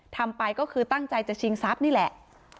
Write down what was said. ทำไปก็คือตั้งใจจะชิงทรัพย์นี่แหละ